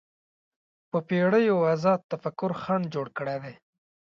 په پېړیو ازاد تفکر خنډ جوړ کړی دی